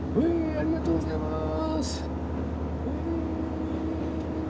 ありがとうございます！